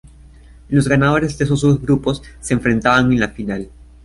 Los ganadores de esos dos grupos se enfrentaban en la final.